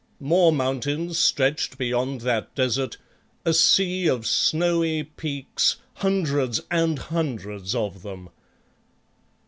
More mountains stretched beyond that desert, a sea of snowy peaks, hundreds and hundreds of them.